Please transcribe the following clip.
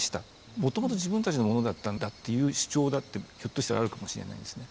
もともと自分たちのものだったんだっていう主張だってひょっとしたらあるかもしれないんですね。